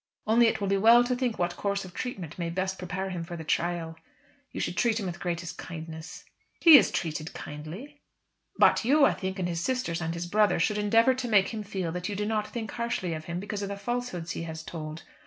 Only it will be well to think what course of treatment may best prepare him for the trial. You should treat him with the greatest kindness." "He is treated kindly." "But you, I think, and his sisters and his brother should endeavour to make him feel that you do not think harshly of him because of the falsehoods he has told.